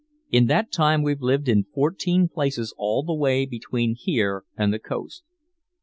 In that time we've lived in fourteen places all the way between here and the Coast."